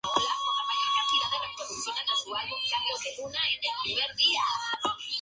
Numerosas son las especies que crecen al amparo de estos bosques.